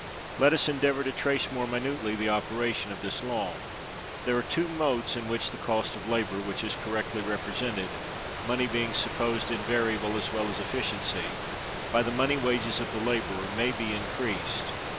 Let us endeavor to trace more minutely the operation of this law. There are two modes in which the Cost of Labor, which is correctly represented (money being supposed invariable as well as efficiency) by the money wages of the laborer, may be increased.